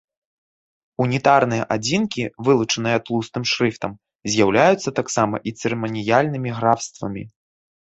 Унітарныя адзінкі, вылучаныя тлустым шрыфтам, з'яўляюцца таксама і цырыманіяльнымі графствамі.